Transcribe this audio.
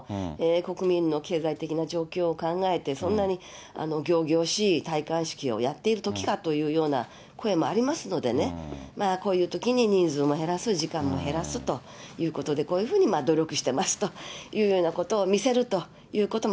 国民の経済的な状況を考えて、そんなに仰々しい戴冠式をやっているときかというような声もありますのでね、こういうときに人数も減らす、時間も減らすということで、こういうふうに努力してますというようなことを見せるということ